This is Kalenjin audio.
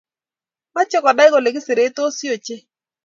mache konai kole kiseretosi ochei